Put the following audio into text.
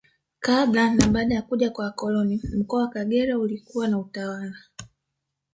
Kabla na baada ya kuja kwa wakoloni Mkoa wa Kagera ulikuwa na utawala